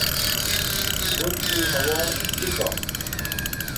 wudgi hawo chi sokht